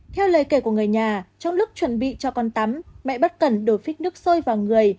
theo lời kể của người nhà trong lúc chuẩn bị cho con tắm mẹ bất cần đổi phích nước sôi vào người